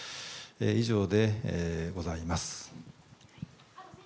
以上でございます。